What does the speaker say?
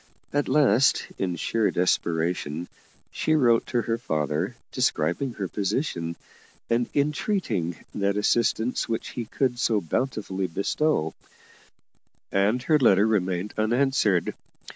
At last, in sheer desperation, she wrote to her father describing her position, and entreating that assistance which he could so bountifully bestow and her letter remained unanswered.